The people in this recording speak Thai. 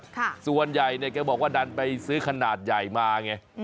ส่วนใหญ่เนี่ยแกบอกว่าดันไปซื้อขนาดใหญ่มาไง